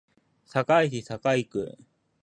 堺市堺区